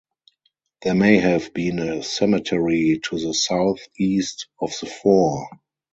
There may have been a cemetery to the south east of the fort.